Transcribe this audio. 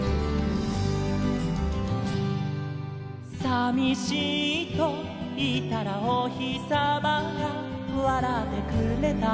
「さみしいといったらおひさまがわらってくれた」